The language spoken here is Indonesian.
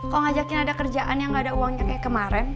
kalau ngajakin ada kerjaan yang gak ada uangnya kayak kemarin